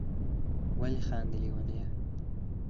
ولي خاندی ليونيه